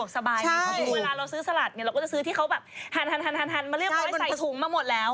ก็จะซื้อที่เขาแบบหันมาเรียกว่าให้ใส่ถุงมาหมดแล้ว